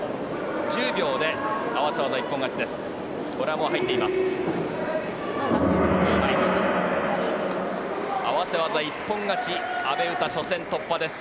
１０秒で合わせ技一本勝ちです。